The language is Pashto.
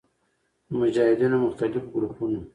د مجاهدینو مختلف ګروپونو